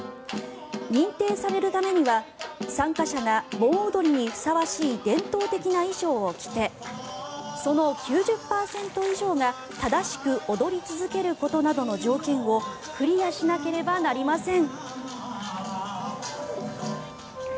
認定されるためには参加者が盆踊りにふさわしい伝統的な衣装を着てその９０％以上が正しく踊り続けることなどの条件をクリアしなければなりません。